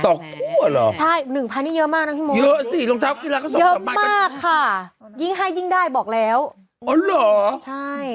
ต่อคู่หรอใช่๑๐๐๐บาทนี่เยอะมากนะพี่โม้ยิ่งให้ยิ่งได้บอกแล้วเยอะมากค่ะ